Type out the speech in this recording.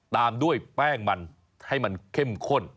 ตามด้วยแป้งมันให้มันเข้มข้น